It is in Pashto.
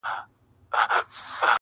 دواړه هيلې او وېره په فضا کي ګډېږي،